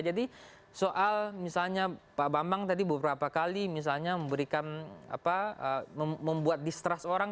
jadi soal misalnya pak bambang tadi beberapa kali misalnya memberikan apa membuat distrust orang